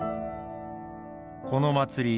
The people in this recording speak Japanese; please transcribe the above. この祭り